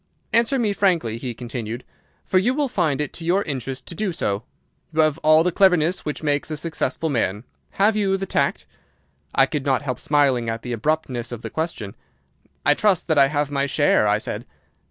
"'Answer me frankly,' he continued, 'for you will find it to your interest to do so. You have all the cleverness which makes a successful man. Have you the tact?' "I could not help smiling at the abruptness of the question. "'I trust that I have my share,' I said.